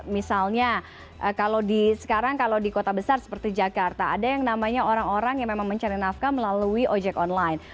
misalnya kalau sekarang kalau di kota besar seperti jakarta ada yang namanya orang orang yang memang mencari nafkah melalui ojek online